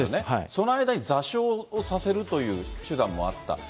その間に座礁をさせるという手段もあった。